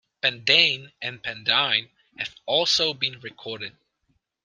Pendein and Pendyne have also been recorded.